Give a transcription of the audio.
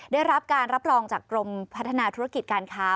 ได้รับการรับรองจากกรมพัฒนาธุรกิจการค้า